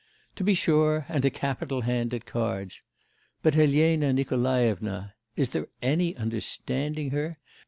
'To be sure, and a capital hand at cards. But Elena Nikolaevna.... Is there any understanding her?